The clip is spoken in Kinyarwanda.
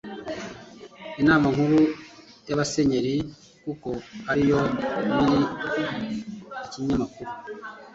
inama nkuru y'abasenyeri kuko ariyo nyiri ikinyamakuru